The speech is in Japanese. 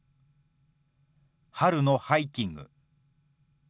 春のハイキング。